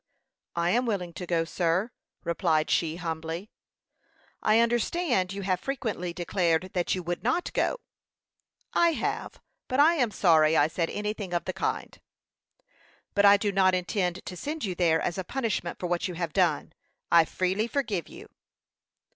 "I am willing to go, sir," replied she, humbly. "I understand you have frequently declared that you would not go." "I have, but I am sorry I said anything of the kind." "But I do not intend to send you there as a punishment for what you have done. I freely forgive you."